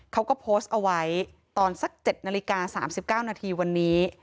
เขาก็โพสต์เอาไว้ตอนสัก๗นาฬิกา๓๙นาทีวันนี้